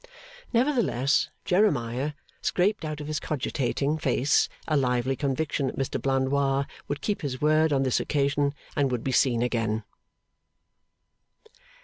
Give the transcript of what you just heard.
Nevertheless, Jeremiah scraped out of his cogitating face a lively conviction that Mr Blandois would keep his word on this occasion, and would be seen again.